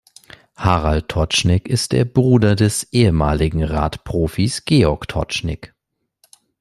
Harald Totschnig ist der Bruder des ehemaligen Radprofis Georg Totschnig.